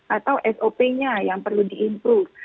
atau sop nya yang perlu di improve